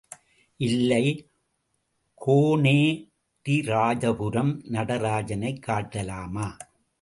இல்லை கோனேரிராஜபுரம் நடராஜனைக் காட்டலாமா?